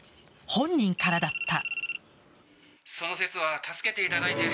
本人からだった。